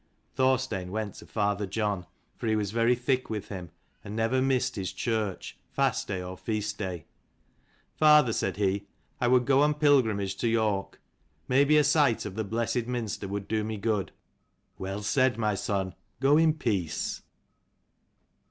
Thorstein went to father John, for he was very thick with him, and never missed his church, fast day or feast day. " Father," said he, " I would go on pilgrimage to York. Maybe a sight of the blessed Minster would do me good." " Well said, my son : go in peace."